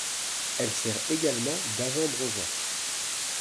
Elle sert également d'agent bronzant.